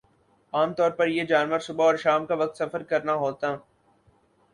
عام طور پر یِہ جانور صبح اور شام کا وقت سفر کرنا ہونا